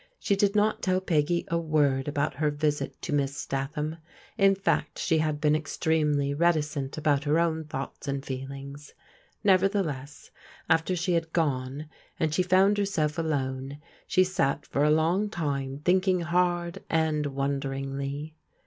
She did not tell Peggy a word about her visit to Miss Statham, in fact she had been extremely reticent about her own thoughts and feelings. Nevertheless after she had gone and she found herself alone she sat for a long time thinking hard and wonderingly.